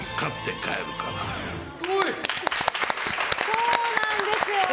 そうなんですよ！